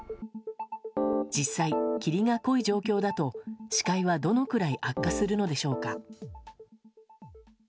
実際、霧が濃い状況だと視界はどのくらい悪化するのでしょうか。